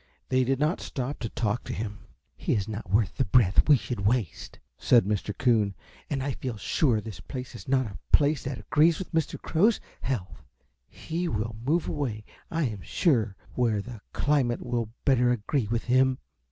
They did not stop to talk to him. "He is not worth the breath we should waste," said Mr. Coon, "and I feel sure this place is not a place that agrees with Mr. Crow's health. He will move away, I am sure, where the climate will better agree with him."